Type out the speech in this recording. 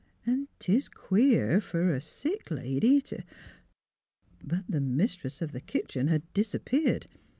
An' 'tis queer fer a sick lady t' " But the mistress of the kitchen had disappeared.